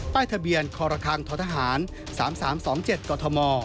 ป้ายทะเบียนคทศ๓๓๒๗กม